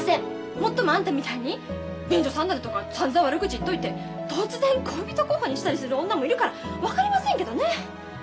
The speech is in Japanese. もっともあんたみたいに便所サンダルとかさんざん悪口言っといて突然恋人候補にしたりする女もいるから分かりませんけどね。